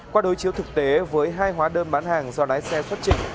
qua đối chiếu thực tế với hai hóa đơn bán hàng do lái xe xuất trình